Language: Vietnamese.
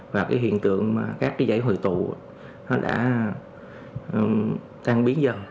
và cái hiện tượng mà các cái dãy hồi tụ nó đã tăng biến dần